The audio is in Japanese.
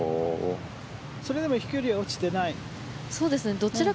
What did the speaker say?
それでも飛距離は落ちてない？